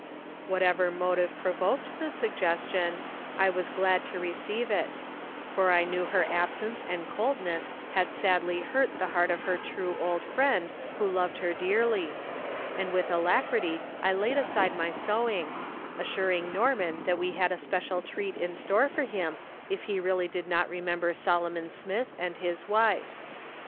Whatever motive provoked the suggestion, I was glad to receive it, for I knew her absence and cold ness had sadly hurt the heart of her true old friend who loved her dearly ; and with alacrity I laid aside my sewing, assuring Norman tliat we had a special treat in store for him if he really did not remember Solomon Smith and his wife.